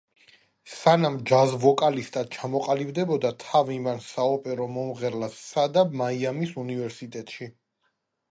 სანამ ჯაზ ვოკალისტად ჩამოყალიბდებოდა თავი მან საოპერო მომღერლად სცადა მაიამის უნივერსიტეტში.